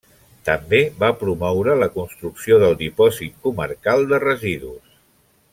També va promoure la construcció del dipòsit comarcal de residus.